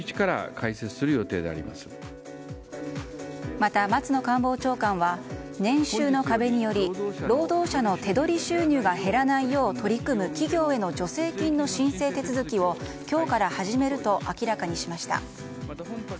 また、松野官房長官は年収の壁により労働者の手取り収入が減らないよう取り組む企業への助成金の申請手続きを、今日から始めると明らかにしました。